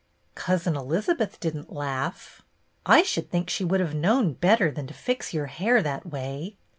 " Cousin Elizabeth did n't laugh." " I should think she would have known better than to fix your hair that way."